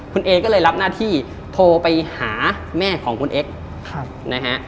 คุณเอก็เลยรับหน้าที่โทรไปหาแม่ของคุณเอ็กซ์นะฮะ